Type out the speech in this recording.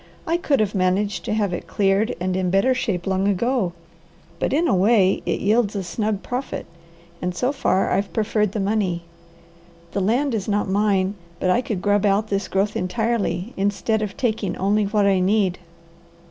"I could have managed to have it cleared and in better shape long ago, but in a way it yields a snug profit, and so far I've preferred the money. The land is not mine, but I could grub out this growth entirely, instead of taking only what I need."